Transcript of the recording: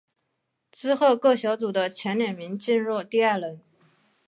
之后各小组的前两名进入第二轮。